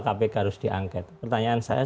kpk harus diangket pertanyaan saya